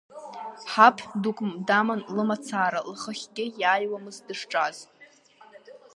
Ҳаԥ дук даман лымацара, лхахьгьы иааиуамызт дышҿаз.